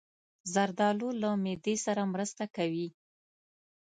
زردالو له معدې سره مرسته کوي.